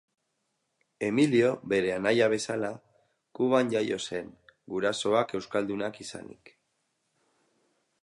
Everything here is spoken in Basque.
Emilio bere anaia bezala, Kuban jaio zen, gurasoak euskaldunak izanik.